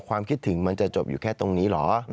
ความคิดถึงมันจะจบอยู่แค่ตรงนี้เหรอ